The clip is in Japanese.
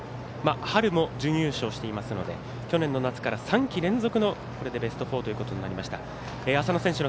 春も準優勝していますので去年の夏から３季連続のベスト４となりました。